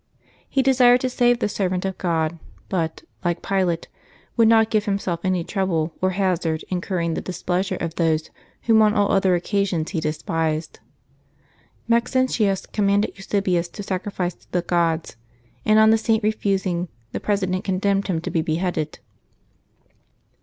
He desired to save the servant of Christ, but, like Pilate, would not give himself any trouble or hazard incurring the displeasure of those whom on all other occasions he despised. Maxentius commanded Euse bius to sacrifice to the gods, and on the Saint refusing, the president condemned him to be beheaded.